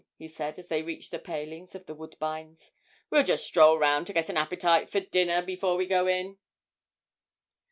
he said, as they reached the palings of 'The Woodbines.' 'We'll just stroll round to get an appetite for dinner before we go in.'